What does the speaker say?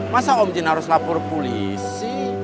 masa om jin harus lapor polisi